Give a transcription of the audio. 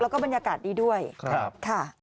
แล้วก็บรรยากาศดีด้วยค่ะ